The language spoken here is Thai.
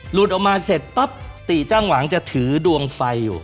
หลุดออกมาเสร็จปั๊บตีจ้างหวังจะถือดวงไฟอยู่